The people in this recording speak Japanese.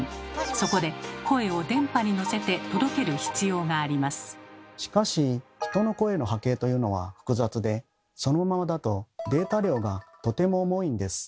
そこで声を電波にのせてしかし人の声の波形というのは複雑でそのままだとデータ量がとても重いんです。